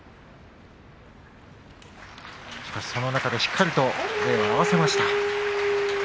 しかし、その中でしっかりと礼を合わせました。